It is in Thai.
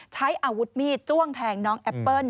ใช้อาวุธมีดจ้วงแทงน้องแอปเปิ้ล